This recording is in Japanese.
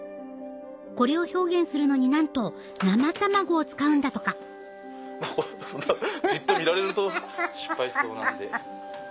これを表現するのになんと生卵を使うんだとかそんなジッと見られると失敗しそうなんで。